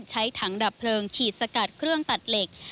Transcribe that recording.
ใช้ถังดับเพลิงฉีดสกัดเครื่องตัดเหล็ก